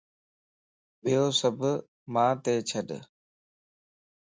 ٻيو سڀ مانت ڇڏ